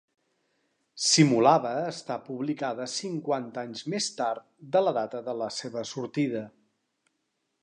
Simulava estar publicada cinquanta anys més tard de la data de la seva sortida.